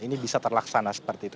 ini bisa terlaksana seperti itu